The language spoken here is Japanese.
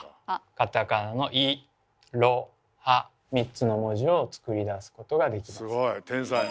カタカナの「イロハ」３つの文字を作り出すことができたんです。